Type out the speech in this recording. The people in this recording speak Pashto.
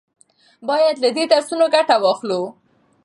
باید له دې درسونو ګټه واخلو.